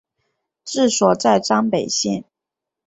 治所在张北县。